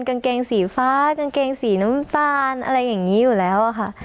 กางเกงสีฟ้ากางเกงสีน้ำตาลอะไรอย่างนี้อยู่แล้วค่ะ